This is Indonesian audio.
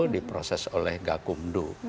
diproses oleh gakumdu